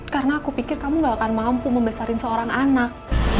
karena aku pikir kamu gak akan mampu membesarin seorang anak